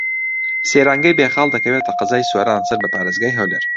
سەیرانگەی بێخاڵ دەکەوێتە قەزای سۆران سەر بە پارێزگای هەولێر.